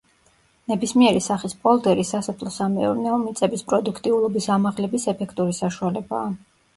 ნებისმიერი სახის პოლდერი სასოფლო-სამეურნეო მიწების პროდუქტიულობის ამაღლების ეფექტური საშუალებაა.